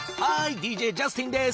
ＤＪジャスティンです。